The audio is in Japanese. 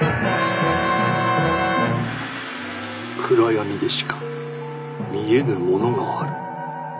暗闇でしか見えぬものがある。